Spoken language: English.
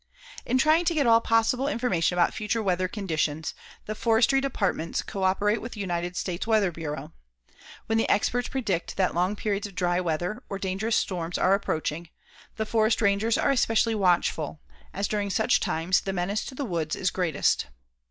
In trying to get all possible information about future weather conditions, the Forestry Departments coöperate with the United States Weather Bureau. When the experts predict that long periods of dry weather or dangerous storms are approaching, the forest rangers are especially watchful, as during such times, the menace to the woods is greatest.